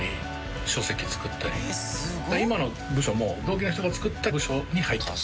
今の部署も同期の人が作った部署に入ったんです。